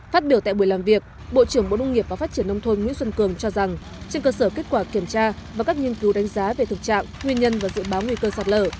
phát biểu tại buổi làm việc bộ trưởng bộ nông nghiệp và phát triển nông thôn nguyễn xuân cường cho rằng trên cơ sở kết quả kiểm tra và các nghiên cứu đánh giá về thực trạng nguyên nhân và dự báo nguy cơ sạt lở